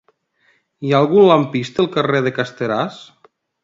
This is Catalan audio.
Hi ha algun lampista al carrer de Casteràs?